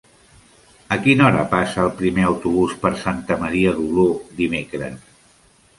A quina hora passa el primer autobús per Santa Maria d'Oló dimecres?